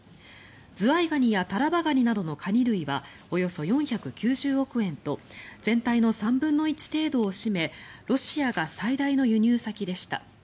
ズワイガニやタラバガニなどのカニ類はおよそ４９０億円と全体の３分の１程度を占めロシアが最大の輸入先でした。